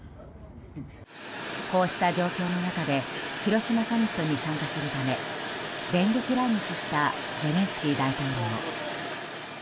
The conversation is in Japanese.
こうした状況の中で広島サミットに参加するため電撃来日したゼレンスキー大統領。